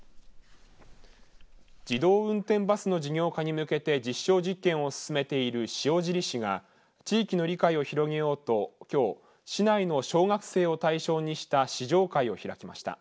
自動運転バスの事業化に向けて実証実験を進めている塩尻市が地域の理解を広げようときょう市内の小学生を対象にした試乗会を開きました。